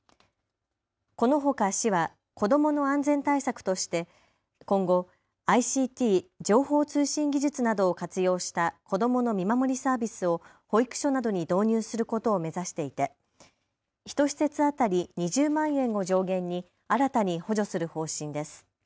このほか市は子どもの安全対策として今後、ＩＣＴ・情報通信技術などを活用した子どもの見守りサービスを保育所などに導入することを目指していて１施設当たり２０万円を上限に新たに補助する方針です。